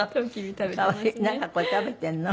なんかこれ食べてるの？